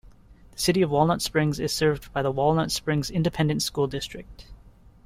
The City of Walnut Springs is served by the Walnut Springs Independent School District.